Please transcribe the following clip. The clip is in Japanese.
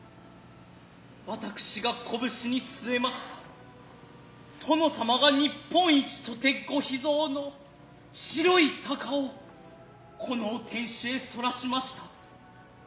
私が拳に据ゑました殿様が日本一とて御秘蔵の白い鷹を此のお天守へ逸しました